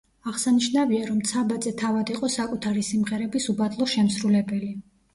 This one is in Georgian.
აღსანიშნავია, რომ ცაბაძე თავად იყო საკუთარი სიმღერების უბადლო შემსრულებელი.